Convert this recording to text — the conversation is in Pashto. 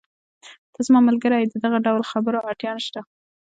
ته زما ملګری یې، د دغه ډول خبرو اړتیا نشته.